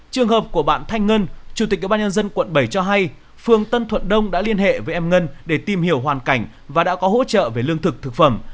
trường hợp của bạn thanh ngân chủ tịch ủy ban nhân dân quận bảy cho hay phương tân thuận đông đã liên hệ với em ngân để tìm hiểu hoàn cảnh và đã có hỗ trợ về lương thực thực phẩm